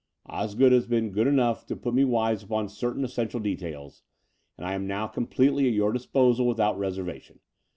Osgood here has been good enough to put me wise upon certain essential details; and I am now completely at your disposal without reservation.